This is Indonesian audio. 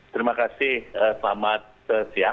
terima kasih selamat siang